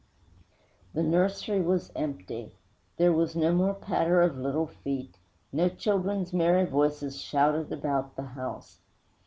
'The nursery was empty. There was no more patter of little feet; no children's merry voices shouted about the house.